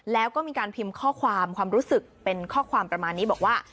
แล้วก็มีการพิมพ์ข้อความความรู้สึกเป็นข้อความประมาณนี้บอกว่า